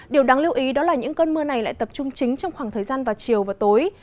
điều đáng lưu ý đó là những cơn mưa này lại tập trung chính trong khoảng thời gian vào chiều và tối